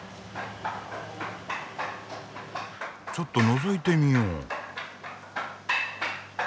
・ちょっとのぞいてみよう。